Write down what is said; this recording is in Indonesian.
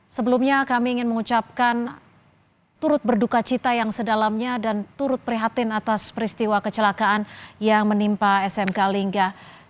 sebelumnya kami ingin mengucapkan turut berduka cita yang sedalamnya dan turut prihatin atas peristiwa kecelakaan yang menimpa smk lingga